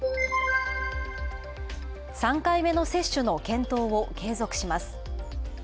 ３回目の接種の検討を継続します。